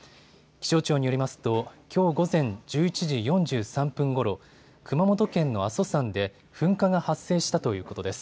気象庁によりますときょう午前１１時４３分ごろ、熊本県の阿蘇山で噴火が発生したということです。